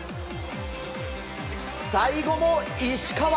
最後も石川！